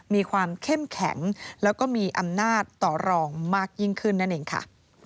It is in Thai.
มีความเข้มแข็งแล้วก็มีอำนาจต่อรองมากยิ่งขึ้นนั่นเองค่ะ